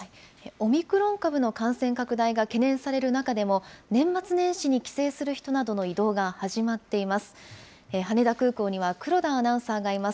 オミクロン株の感染拡大が懸念される中でも、年末年始に帰省する人などの移動が始まっています。